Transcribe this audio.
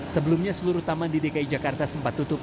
sebelumnya seluruh taman di dki jakarta sempat tutup